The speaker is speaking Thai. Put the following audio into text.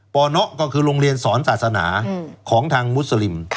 ก็คือโรงเรียนสอนศาสนาของทางมุสลิม